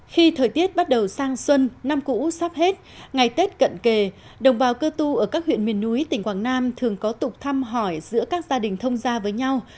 khi thời tiết bắt đầu sang xuân năm cũ sắp hết ngày tết cận kề đồng bào cơ tu ở các huyện miền núi tỉnh quảng nam thường có tục thăm hỏi giữa các gia đình thông gia với nhau